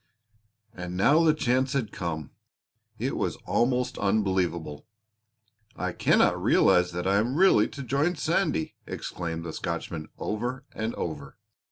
And now the chance had come it was almost unbelievable! "I cannot realize that I am really to join Sandy," exclaimed the Scotchman over and over.